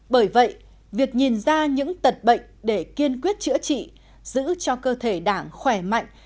bởi vậy việc nhìn ra những tật bệnh để kiên quyết chữa trị giữ cho cơ thể đảng khỏe mạnh